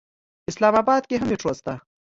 اسلام اباد کې هم مېټرو شته.